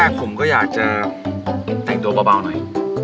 อันแรกผมก็อยากจะแต่งดวงเบาหน่อย